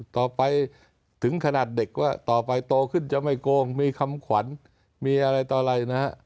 ต่อไปถึงขนาดเด็กว่าต่อไปโตขึ้นจะไม่โกงมีคำขวัญมีอะไรต่ออะไรนะฮะ